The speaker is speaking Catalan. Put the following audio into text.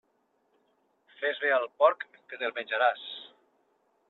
Fes bé al porc, que te'l menjaràs.